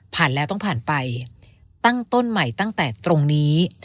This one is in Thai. แล้วต้องผ่านไปตั้งต้นใหม่ตั้งแต่ตรงนี้